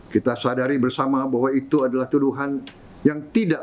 kita sadari bersama bahwa itu adalah tuduhan yang tidak